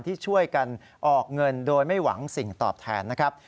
ที่ช่วยกันออกเงินโดยไม่หวังสิ่งตอบแทนนะครับ